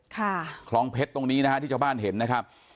คลองเพชรตรงนี้นะฮะที่ชาวบ้านเห็นนะครับ